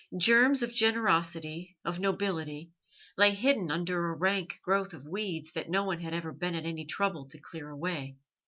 Germs of generosity, of nobility, lay hidden under a rank growth of weeds that no one had ever been at any trouble to clear away.